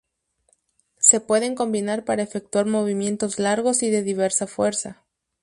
Se pueden combinar para efectuar movimientos largos y de diversa fuerza.